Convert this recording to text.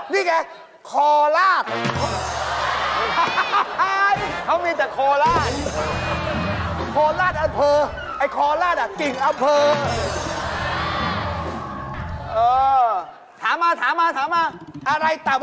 นี่แค่พระธาตุพระนม